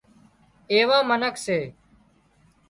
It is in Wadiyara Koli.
ايوان منک سي